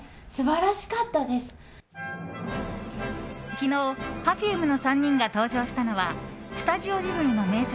昨日、Ｐｅｒｆｕｍｅの３人が登場したのはスタジオジブリの名作